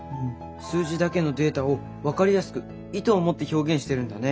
数字だけのデータを分かりやすく意図を持って表現してるんだね。